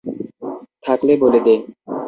থাকলে বলে দে।